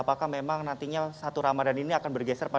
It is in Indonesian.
apakah memang nantinya satu ramadhan ini akan bergeser